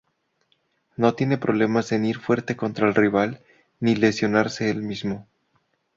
No tiene problemas en ir fuerte contra el rival, ni lesionarse el mismo.